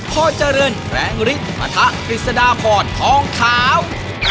พ่อเจริญแรงฤทธิ์ประทะฤทธิ์สดาพรท้องขาว